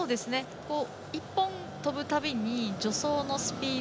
１本跳ぶたびに助走のスピード